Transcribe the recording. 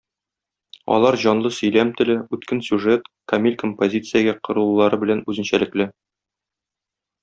Алар җанлы сөйләм теле, үткен сюжет, камил композициягә корылулары белән үзенчәлекле.